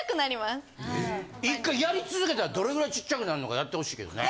１回やり続けたらどれくらいちっちゃくなんのかやってほしいけどね。